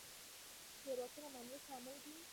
تیروتنه منل کمال دی